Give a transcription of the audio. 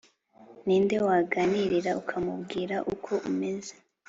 Ni nde waganirira ukamubwira uko umeze